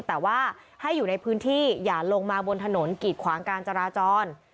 แต่ว่าให้อยู่ในพื้นที่อย่าลงมาบนถนนกีดขวางการจราจร